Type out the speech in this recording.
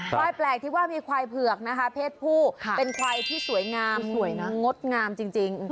ควายแปลกที่ว่ามีควายเพือกเพศผู้เป็นควายที่สวยงามงดงามจริง